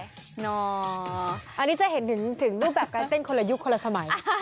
อันนี้จะเห็นถึงรูปแบบการเต้นคนละยุคคนละสมัย